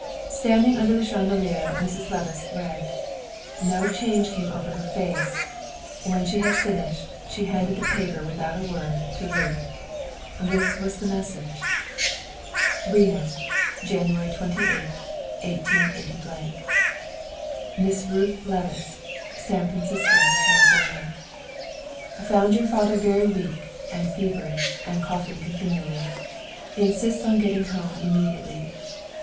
Standing under the chandelier, Mrs. Levice read. No change came over her face; when she had finished, she handed the paper without a word to Ruth. This was the message: RENO, Jan. 28, 188 MISS RUTH LEVICE, San Francisco, Cal. Found your father very weak and feverish and coughing continually. Insists on getting home immediately.